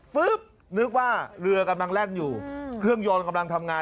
นึกว่าเรือกำลังแล่นอยู่เครื่องยนต์กำลังทำงาน